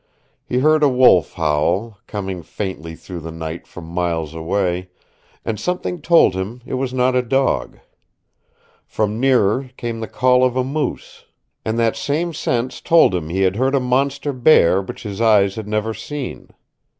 He heard a wolf howl, coming faintly through the night from miles away, and something told him it was not a dog. From nearer came the call of a moose, and that same sense told him he had heard a monster bear which his eyes had never seen.